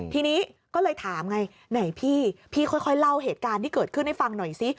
ทีนี้ก็เลยถามไงไหนพี่พี่ค่อยเล่าเหตุการณ์ที่เกิดขึ้นให้ฟังหน่อยซิ